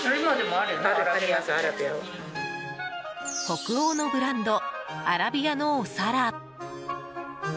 北欧のブランドアラビアのお皿。